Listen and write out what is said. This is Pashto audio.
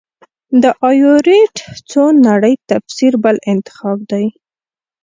د ایورېټ څو نړۍ تفسیر بل انتخاب دی.